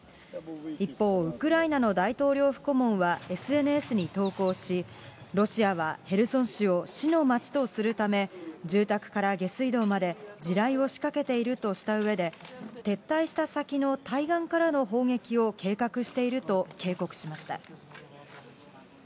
一方、ウクライナの大統領府顧問はＳＮＳに投稿し、ロシアはヘルソン市を死の街とするため、住宅から下水道まで地雷を仕掛けているとしたうえで、撤退した先の対岸からの砲撃を計画していると警告しました。